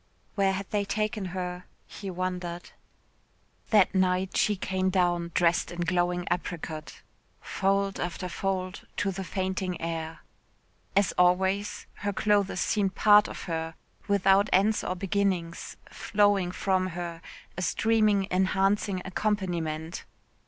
Where had they taken her? He wondered. That night she came down, dressed in glowing apricot "fold after fold to the fainting air." As always, her clothes seemed part of her, without ends or beginnings, flowing from her, a streaming enhancing accompaniment.